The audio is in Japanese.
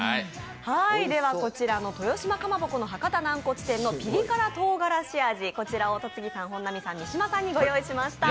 では、こちらの豊島蒲鉾のなんこつ天のピリ辛とうがらし味、こちらを戸次さん、本並さん、三島さんにご用意しました。